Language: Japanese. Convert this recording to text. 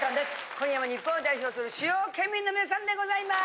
今夜も日本を代表する主要県民の皆さんでございます。